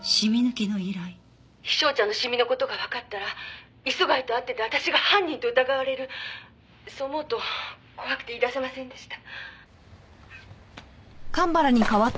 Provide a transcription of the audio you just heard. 「陽尚茶のシミの事がわかったら磯貝と会ってた私が犯人と疑われるそう思うと怖くて言い出せませんでした」